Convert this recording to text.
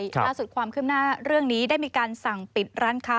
ล่าสุดความขึ้นหน้าเรื่องนี้ได้มีการสั่งปิดร้านค้า